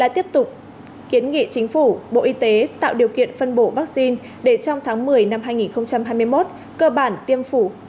tiếp tục kiến nghị chính phủ bộ y tế tạo điều kiện phân bổ vaccine để trong tháng một mươi năm hai nghìn hai mươi một cơ bản tiêm phủ